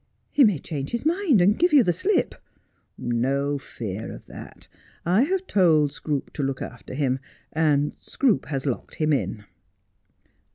' He may change his mind, and give you the slip.' ' No fear of that. I have told Scroope to look after him, and Scroope has locked him in.'